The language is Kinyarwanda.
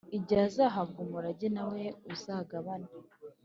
igihe azahabwa umurage, nawe uzagabane.